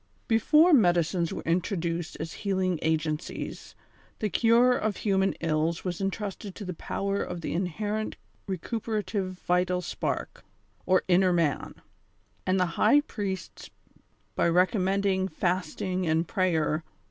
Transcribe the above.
Before medicines were introduced as healing agencies, the cure of human ills was entrusted to the power of the inherent recuperative vital spark, or inner man* and the high priests, by recommending fasting and prayer.